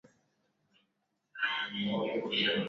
Naleta sadaka za sifa.